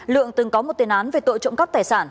lượng từng có một tiền án về tội trộm cắp tài sản